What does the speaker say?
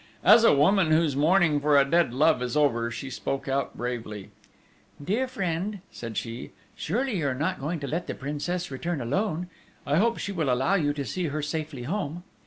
As a woman whose mourning for a dead love is over, she spoke out bravely: "Dear friend," said she, "surely you are not going to let the Princess return alone?... I hope she will allow you to see her safely home?"